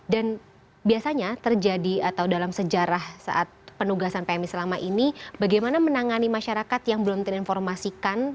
dan biasanya terjadi atau dalam sejarah saat penugasan pmi selama ini bagaimana menangani masyarakat yang belum terinformasikan